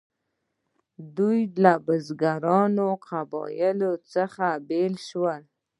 دوی له بزګرو قبیلو څخه بیل شول.